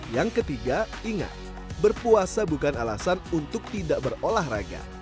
yang ketiga ingat berpuasa bukan alasan untuk tidak berolahraga